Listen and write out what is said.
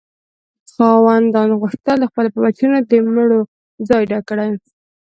خاوندانو غوښتل د هغو په بچیانو د مړو ځای ډک کړي.